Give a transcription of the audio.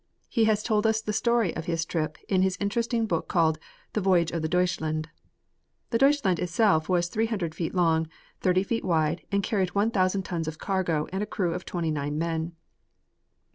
He has told us the story of his trip in his interesting book called "The Voyage of the Deutschland." The Deutschland itself was three hundred feet long, thirty feet wide, and carried one thousand tons of cargo and a crew of twenty nine men.